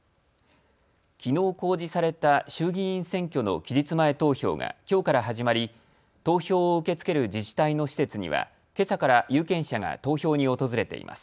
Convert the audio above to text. きのう公示された衆議院選挙の期日前投票がきょうから始まり投票を受け付ける自治体の施設にはけさから有権者が投票に訪れています。